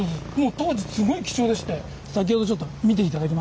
当時すごい貴重でして先ほどちょっと見て頂きましたけど。